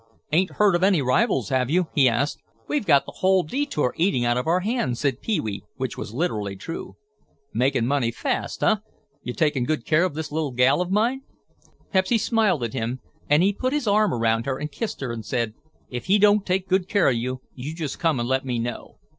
"Ain't heard of any rivals, have you?" he asked. "We've got the whole detour eating out of our hands," said Pee wee, which was literally true. "Makin' money fast, huh? You takin' good care of this little gal of mine?" Pepsy smiled at him and he put his arm around her and kissed her and said, "If he don't take good care of you, you just come and let me know."